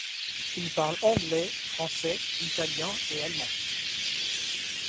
Il parle anglais, français, italien et allemand.